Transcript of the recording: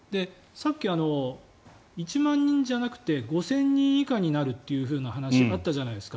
さっき１万人じゃなくて５０００人以下になるという話があったじゃないですか。